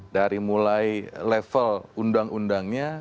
dari mulai level undang undangnya